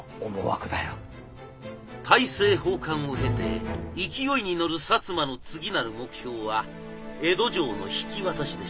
大政奉還を経て勢いに乗る摩の次なる目標は江戸城の引き渡しでした。